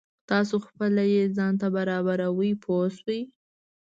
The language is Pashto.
تاسو خپله یې ځان ته برابروئ پوه شوې!.